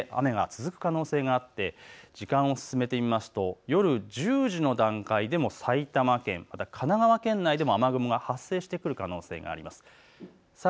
上空の風の流れがあまりありませんので同じような場所で雨が続く可能性があって時間を進めてみますと夜１０時の段階でも埼玉県、また神奈川県内でも雨雲が発生してくる可能性があります。